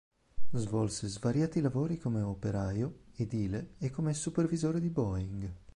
Svolse svariati lavori come operaio, edile e come supervisore di Boeing.